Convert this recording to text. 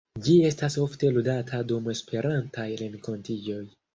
Ĝi estas ofte ludata dum Esperantaj renkontiĝoj.